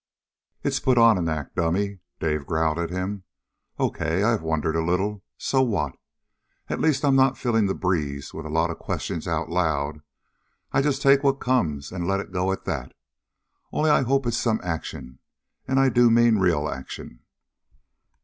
"It's put on an act, dummy!" Dave growled at him. "Okay, I have wondered a little. So what? At least I'm not filling the breeze with a lot of questions out loud. I'll just take what comes, and let it go at that. Only I hope it's some action. And I do mean real action!"